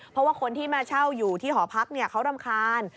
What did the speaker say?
เพราะว่าคนที่มาเช่าอยู่ที่หอพักเขารำคาญ